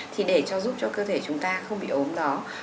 thì để cho giúp cho cơ thể chúng ta không bị ốm đó